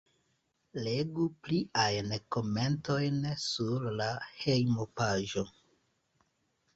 Legu pliajn komentojn sur la hejmpaĝo.